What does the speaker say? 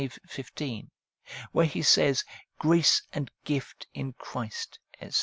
15, where he says, ' Grace and gift in Christ,' etc.